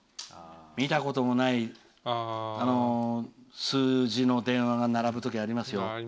見たこともない数字の電話が並ぶときがありますよ。